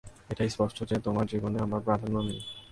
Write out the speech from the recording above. এটা স্পষ্ট যে তোমার জীবনে আমার প্রাধ্যান্য নেই।